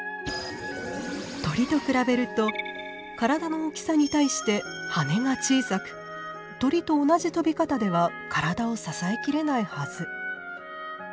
鳥と比べると体の大きさに対して羽が小さく鳥と同じ飛び方では体を支え切れないはず。